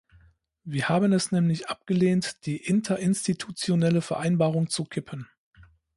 Wir haben es nämlich abgelehnt, die Interinstitutionelle Vereinbarung zu kippen.